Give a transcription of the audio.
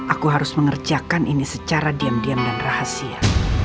aku harus mengerjakan ini secara diam diam dan rahasia